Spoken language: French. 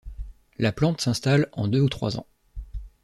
La plante s’installe en deux ou trois ans.